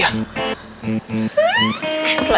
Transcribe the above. ya udah deh bik